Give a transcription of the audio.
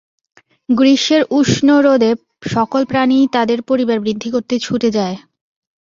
গ্রীষ্মের উষ্ণ রোদে সকল প্রাণীই তাদের পরিবার বৃদ্ধি করতে ছুটে যায়।